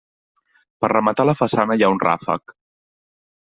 Per rematar la façana hi ha un ràfec.